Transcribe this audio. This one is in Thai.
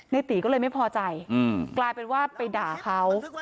ตีก็เลยไม่พอใจกลายเป็นว่าไปด่าเขา